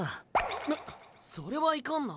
むっそれはいかんな。